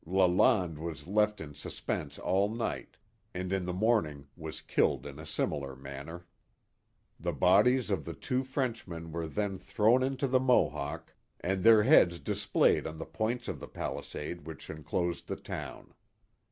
Lalande was left in suspense all night, and in the morning was killed in a similar manner. The bodies of the two Frenchmen were then thrown into the Mohawk, and their heads displayed on the points of the palisade which enclosed the town.